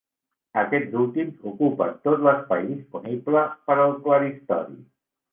Aquests últims ocupen tot l'espai disponible per al claristori.